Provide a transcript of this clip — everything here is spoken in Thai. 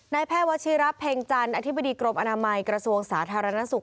แพทย์วัชิระเพ็งจันทร์อธิบดีกรมอนามัยกระทรวงสาธารณสุข